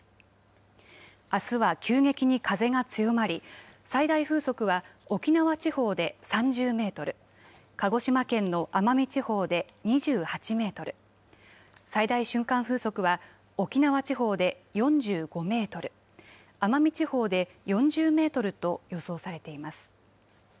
あすは急激に風が強まり、最大風速は、沖縄地方で３０メートル、鹿児島県の奄美地方で２８メートル、最大瞬間風速は沖縄地方で４５メートル、奄美地方で４０メートルと予想されています。